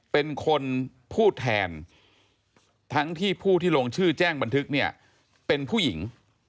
เป็นคนพูดแทนทั้งที่ผู้ที่ลงชื่อแจ้งบันทึกเนี่ยเป็นผู้หญิง